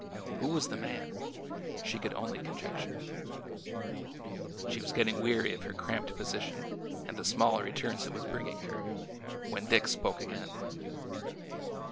Who was the man? She could only conjecture. She was getting weary of her cramped position and the small returns it was bringing her, when Dick spoke again.